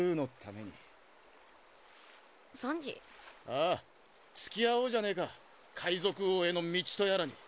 ああ付き合おうじゃねえか海賊王への道とやらに。